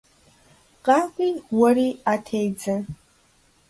КъакӀуи, уэри Ӏэ тедзэ.